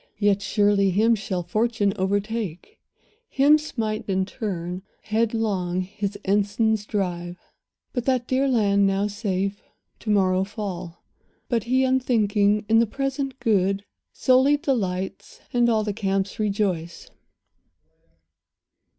Yet surely him shall fortune overtake, Him smite in turn, headlong his ensigns drive; And that dear land, now safe, to morrow fall. But he, unthinking, in the present good Solely delights, and all the camps rejoice.